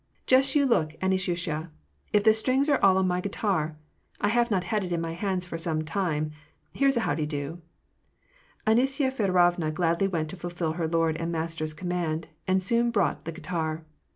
"Just you look, Anisyushya, if the strings are all on my guitar ? I have not had it in my hands for some time — here's a how de do !" Anisya Feodorovna gladly went to fulfil her lord and mas ter's command, and soon brought the guitar.